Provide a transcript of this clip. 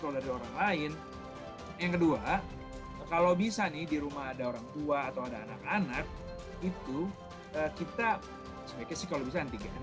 yang kedua kalau bisa nih di rumah ada orang tua atau anak anak itu kita kalau bisa antigen